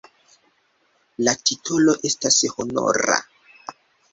La titolo estas honora.